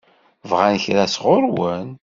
Bɣan kra sɣur-wen?